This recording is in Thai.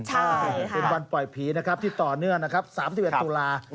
ใช่เป็นวันปล่อยผีนะครับที่ต่อเนื่องนะครับ๓๑ตุลา